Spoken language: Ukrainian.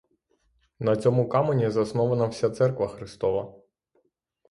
На цьому камені заснована вся церква Христова